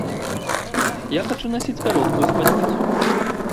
Я хачу насіць кароткую спадніцу.